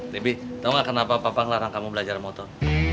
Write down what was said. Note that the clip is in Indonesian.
debbie tau gak kenapa bapak ngelarang kamu belajar motor